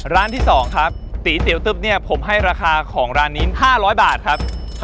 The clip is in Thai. ร้านที่๒ครับตีเตี๋ยวตึ๊บเนี่ยผมให้ราคาของร้านนี้๕๐๐บาทครับ